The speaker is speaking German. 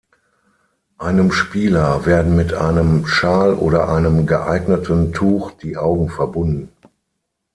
Einem Spieler werden mit einem Schal oder einem geeigneten Tuch die Augen verbunden.